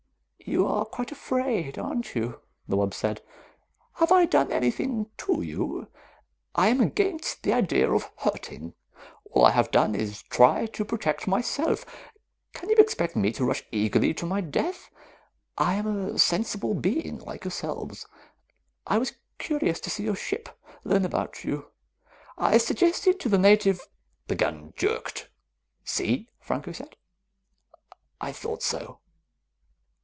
"You are quite afraid, aren't you?" the wub said. "Have I done anything to you? I am against the idea of hurting. All I have done is try to protect myself. Can you expect me to rush eagerly to my death? I am a sensible being like yourselves. I was curious to see your ship, learn about you. I suggested to the native " The gun jerked. "See," Franco said. "I thought so."